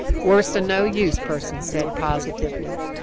"Worse than no use," Pearson said positively.